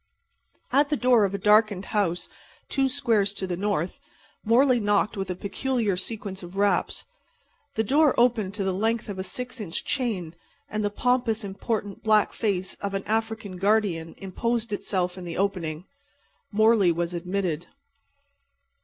At the door of a darkened house two squares to the north Morley knocked with a peculiar sequence of raps. The door opened to the length of a six inch chain, and the pompous, important black face of an African guardian imposed itself in the opening. Morley was admitted.